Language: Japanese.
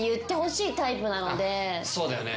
そうだよね。